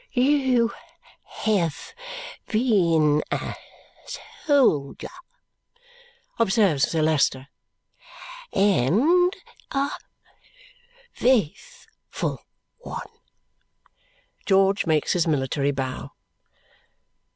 "You have been a soldier," observes Sir Leicester, "and a faithful one." George makes his military bow.